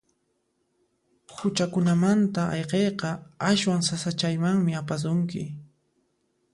Huchakunamanta ayqiyqa aswan sasachayman apasunki.